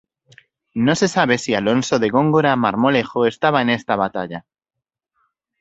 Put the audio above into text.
No se sabe si Alonso de Góngora Marmolejo estaba en esta batalla.